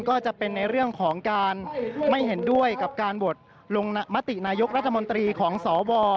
ก็จะเป็นในเรื่องของการไม่เห็นด้วยกับการโหวตลงมตินายกรัฐมนตรีของสว